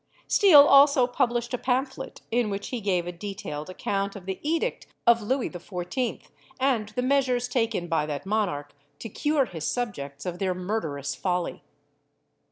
Steele also published a pamphlet, in which he gave a detailed account of the edict of Louis XIV., and the measures taken by that monarch to cure his subjects of their murderous folly.